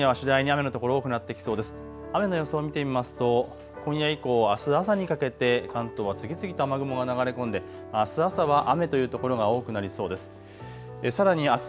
雨の予想を見てみますと今夜以降、あす朝にかけて関東、次々と雨雲が流れ込んであす朝は雨という所が多くなりそうです。